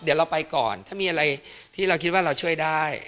เดี๋ยวเราไปก่อนถ้ามีอะไรที่เราคิดว่าเราช่วยได้